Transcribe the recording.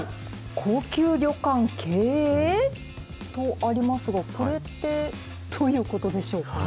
高級旅館経営？とありますが、これってどういうことでしょうか。